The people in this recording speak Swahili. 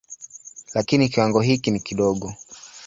Lakini kiwango hiki ni kidogo.